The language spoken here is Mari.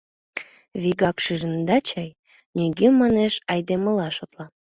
Вигак шижында чай: «нигӧ» манеш, айдемылан шотла.